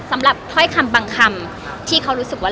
สำหรับค่อยคำบางคำที่เขารู้สึกว่า